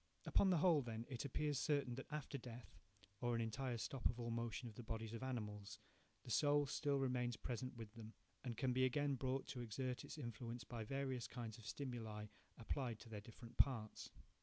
Upon the whole, then, it appears certain that after death, or an entire stop of all motion in the bodies of animals, the soul still remains present with them, and can be again brought to exert its influence by various kinds of stimuli applied to their different parts.